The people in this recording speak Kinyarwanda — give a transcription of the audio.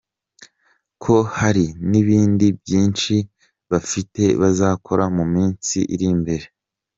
com ko hari n’ibindi byinshi bafite bazakora mu minsi iri imbere.